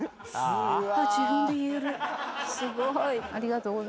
すごーい。